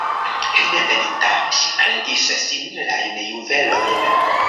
Hejmenveninta ŝi kreis similajn juvelojn.